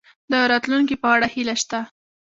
د راتلونکي په اړه هیله شته؟